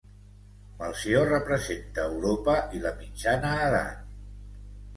Melcior representa Europa i la mitjana edat.